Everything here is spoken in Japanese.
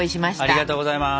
ありがとうございます。